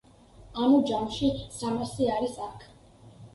ანუ, ჯამში სამასი არის აქ.